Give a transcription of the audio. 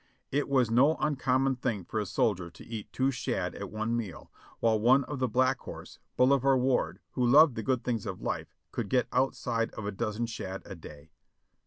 It was no uncommon thing for a soldier to eat two shad at one meal, while one of the Black Horse, Bolivar Ward, who loved the good things of life, could get outside of a dozen shad a day.